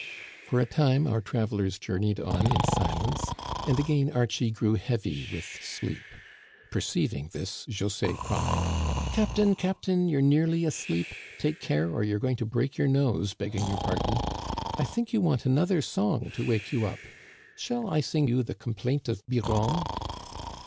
For a time our travelers journeyed on in silence, and again Archie grew heavy with sleep. Perceiving this, José cried :" Captain, captain, you're nearly asleep ! Take care, or you're going to break your nose, begging your par don. I think you want another song to wake you up. Shall I sing you the Complaint of Biron ?